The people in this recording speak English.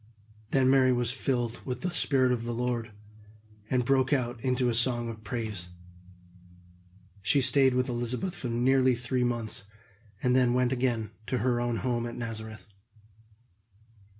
Then Mary was filled with the Spirit of the Lord, and broke out into a song of praise. She stayed with Elizabeth for nearly three months, and then went again to her own home at Nazareth.